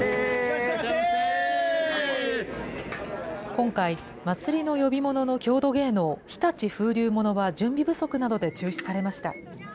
今回、まつりの呼び物の郷土芸能、日立風流物は準備不足などで中止されました。